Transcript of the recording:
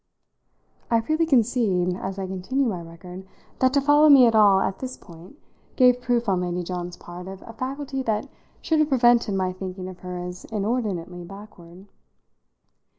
I freely concede, as I continue my record, that to follow me at all, at this point, gave proof on Lady John's part of a faculty that should have prevented my thinking of her as inordinately backward.